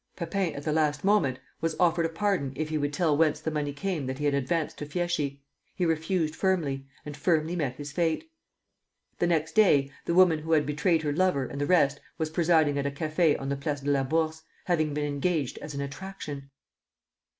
Pepin at the last moment was offered a pardon if he would tell whence the money came that he had advanced to Fieschi. He refused firmly, and firmly met his fate. The next day the woman who had betrayed her lover and the rest was presiding at a café on the Place de la Bourse, having been engaged as an attraction!